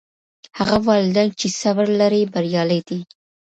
هغه والدین چي صبر لري بریالي دي.